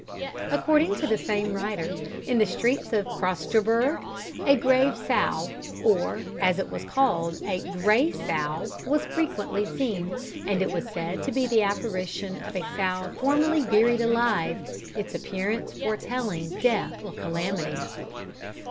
According to the same writer, in the streets of Kroskjoberg, a grave sow, or, as it was called, a "gray sow," was frequently seen, and it was said to be the apparition of a sow formerly buried alive; its appearance foretelling death or calamity.